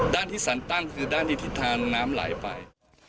ด้านที่สรรตั้งคือด้านที่ทิศทางน้ำไหลไป